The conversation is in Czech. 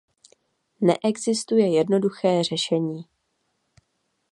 Neexistuje jednoduché řešení.